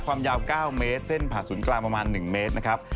ความยาว๙เมตรเส้นผ่าศูนย์กลางประมาณ๑เมตรนะครับ